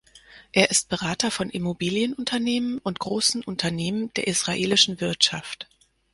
Er ist Berater von Immobilienunternehmen und großen Unternehmen der israelischen Wirtschaft.